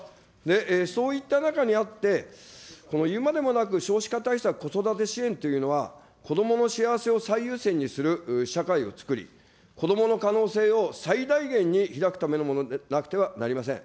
そういった中にあって、言うまでもなく、少子化対策、子育て支援というのは、子どもの幸せを最優先にする社会をつくり、子どもの可能性を最大限にひらくためのものでなくてはなりません。